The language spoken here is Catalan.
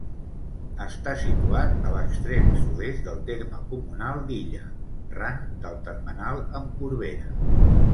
Està situat a l'extrem sud-est del terme comunal d'Illa, ran del termenal amb Corbera.